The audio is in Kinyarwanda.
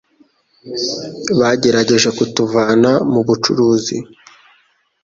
Bagerageje kutuvana mu bucuruzi.